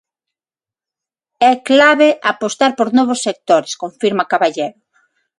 "É clave apostar por novos sectores", confirma Caballero.